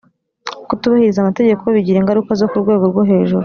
Kutubahiriza amategeko bigira ingaruka zo ku rwego rwo hejuru